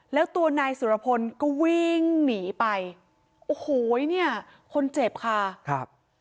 แล้วตัวนายสุรพลก็วิ่งหนีไปโอ้โหเนี่ยคนเจ็บค่ะครับ